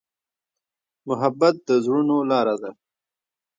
محبت د زړونو لاره ده.